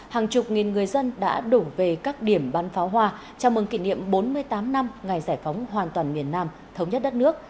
hàng chục nghìn người dân đã đổ về các điểm bán pháo hoa chào mừng kỷ niệm bốn mươi tám năm ngày giải phóng hoàn toàn miền nam thống nhất đất nước